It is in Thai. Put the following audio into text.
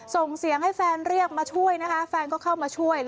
ส่งเสียงให้แฟนเรียกมาช่วยนะคะแฟนก็เข้ามาช่วย